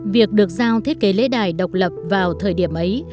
việc được giao thiết kế lễ đài độc lập vào thời điểm ấy